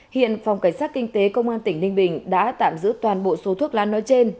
hiện phòng cảnh sát kinh tế công an tỉnh ninh bình đã tạm giữ toàn bộ số thuốc lá nói trên